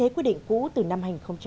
cũ từ năm hai nghìn một mươi sáu